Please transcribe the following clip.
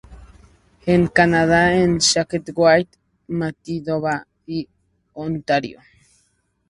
En Canadá en Saskatchewan, Manitoba y Ontario.